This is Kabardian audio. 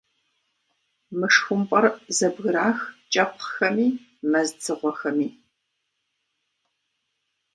Мышхумпӏэр зэбгырах кӏэпхъхэми, мэз дзыгъуэхэми.